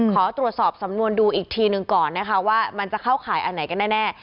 ขอตรวจสอบสำนวนดูอีกทีหนึ่งก่อนนะคะว่ามันจะเข้าข่ายอันไหนกันแน่